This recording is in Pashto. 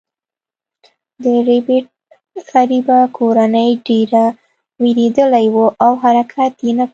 د ربیټ غریبه کورنۍ ډیره ویریدلې وه او حرکت یې نه کاوه